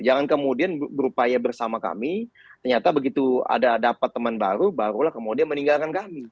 jangan kemudian berupaya bersama kami ternyata begitu ada dapat teman baru barulah kemudian meninggalkan kami